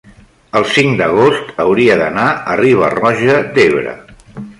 el cinc d'agost hauria d'anar a Riba-roja d'Ebre.